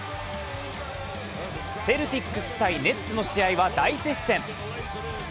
セルティックス×ネッツの試合は大接戦。